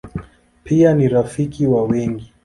Pia ni rafiki wa wengi.